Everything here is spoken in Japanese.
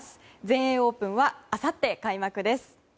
全英オープンはあさって開幕です。